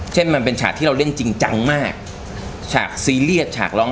เช่นมันเป็นฉากที่เราเล่นจริงจังมากฉากซีเรียสฉากร้อง